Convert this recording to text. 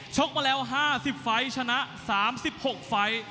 มาแล้ว๕๐ไฟล์ชนะ๓๖ไฟล์